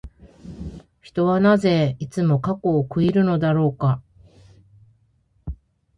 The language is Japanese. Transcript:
人はなぜ、いつも過去を悔いるのだろうか。